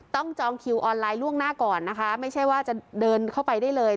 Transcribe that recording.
จองคิวออนไลน์ล่วงหน้าก่อนนะคะไม่ใช่ว่าจะเดินเข้าไปได้เลย